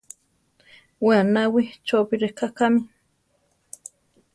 We aʼnawí, chópi rʼeká kámi.